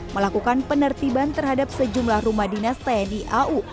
melakukan penertiban terhadap sejumlah rumah dinas tni au